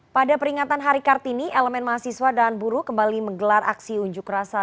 pada peringatan hari kartini elemen mahasiswa dan buruh kembali menggelar aksi unjuk rasa